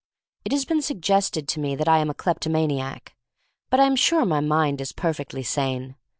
It has been suggested to me that I am a kleptomaniac. But I am sure my mind is perfectly sane.